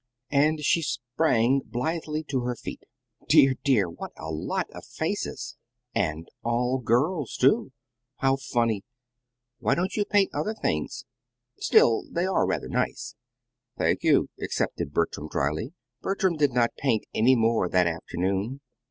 And she sprang blithely to her feet. "Dear, dear, what a lot of faces! and all girls, too! How funny! Why don't you paint other things? Still, they are rather nice." "Thank you," accepted Bertram; dryly. Bertram did not paint any more that afternoon.